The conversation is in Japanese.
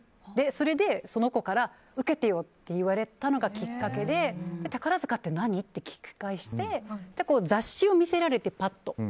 それでその子から受けてよって言われたのがきっかけで宝塚って何？って聞き返して雑誌を見せられてパッと。